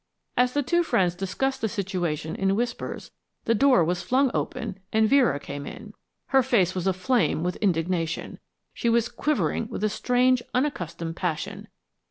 As the two friends discussed the situation in whispers the door was flung open and Vera came in. Her face was aflame with indignation she was quivering with a strange unaccustomed passion.